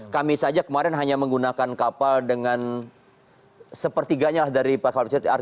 kami saja kemarin hanya menggunakan kapal dengan sepertiganya lah dari kapal pesiar